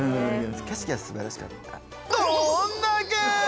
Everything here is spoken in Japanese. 景色はすばらしかった。